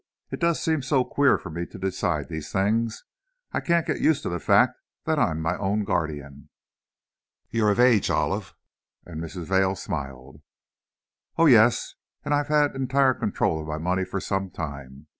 It does seem so queer for me to decide these things! I can't get used to the fact that I'm my own guardian!" "You're of age, Olive," and Mrs. Vail smiled. "Oh, yes, and I've had entire control of my money for some time.